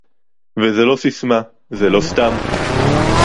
וזו לא ססמה, זה לא סתם